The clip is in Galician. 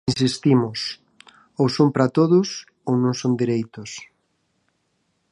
Insistimos, ou son para todos ou non son dereitos.